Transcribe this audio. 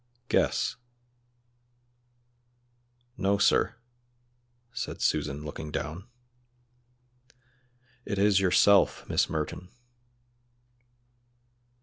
"Guess." "No, sir," said Susan, looking down. "It is yourself, Miss Merton."